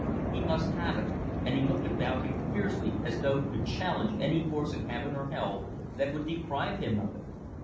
He must have it, and he looked about him fiercely as though to challenge any force in Heaven or Hell that would deprive him of it.